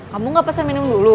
kamu gak pasti minum dulu